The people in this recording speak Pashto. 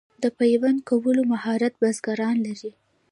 د پیوند کولو مهارت بزګران لري.